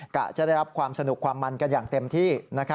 กะจะได้รับความสนุกความมันกันอย่างเต็มที่